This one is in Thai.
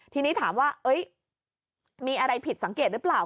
ทีนี้ถามว่ามีอะไรผิดสังเกตหรือเปล่า